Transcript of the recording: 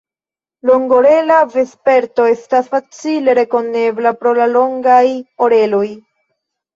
Longorela Vesperto estas facile rekonebla pro la longaj oreloj.